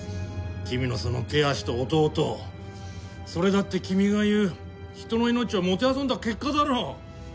君のその手足と弟それだって君が言う人の命をもてあそんだ結果だろう？